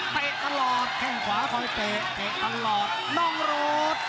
เตะตลอดแค่งขวาคอยเตะเตะตลอดน้องโรธ